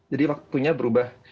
jadi waktunya berubah